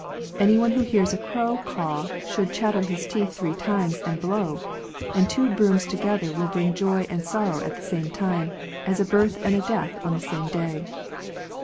Any one who hears a crow caw should chatter his teeth three times and blow ; and two brooms together will bring joy and sorrow at the same time, as a birth and a death on the same day.